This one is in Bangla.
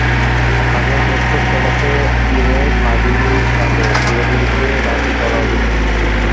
আগামী বছর তোমাকে নিয়ে পারি যাব, বুড়োবুড়ীকে রাজী করাও দেখি।